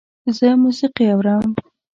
زه موسیقی اورم